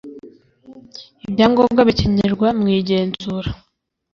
ibyangombwa bikenerwa mu igenzura